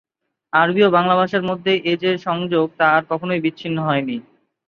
আরবি ও বাংলা ভাষার মধ্যে এ যে সংযোগ, তা আর কখনওই বিচ্ছিন্ন হয়নি।